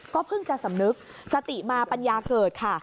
เพิ่งจะสำนึกสติมาปัญญาเกิดค่ะ